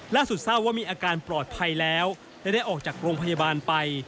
ล่าสุดทราบว่ามีอาการปลอดภัยแล้วและได้ออกจากโรงพยาบาลไป